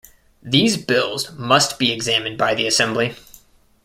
These bills must be examined by the Assembly.